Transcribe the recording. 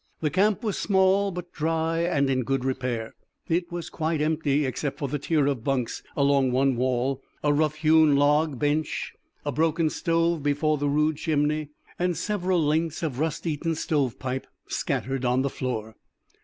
The camp was small, but dry and in good repair. It was quite empty, except for the tier of bunks along one wall, a rough hewn log bench, a broken stove before the rude chimney, and several lengths of rust eaten stove pipe scattered on the floor.